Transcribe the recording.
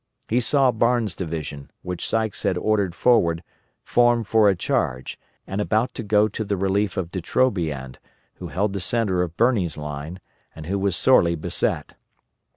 He saw Barnes' division, which Sykes had ordered forward, formed for a charge, and about to go to the relief of De Trobriand, who held the centre of Birney's line, and who was sorely beset.